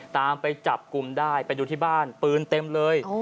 ตามไปจับกลุ่มได้ไปดูที่บ้านปืนเต็มเลย